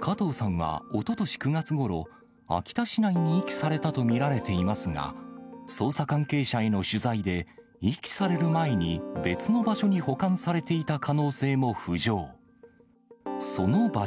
加藤さんはおととし９月ごろ、秋田市内に遺棄されたと見られていますが、捜査関係者への取材で、遺棄される前に別の場所に保管されていた可能性も浮上。